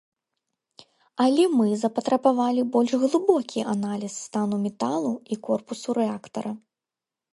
Але мы запатрабавалі больш глыбокі аналіз стану металу і корпусу рэактара.